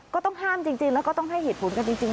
ก็ต้องห้ามจริงแล้วก็ต้องให้เหตุผลกันจริง